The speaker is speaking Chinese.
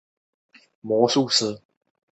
同时也代表哥伦比亚国家足球队参加比赛。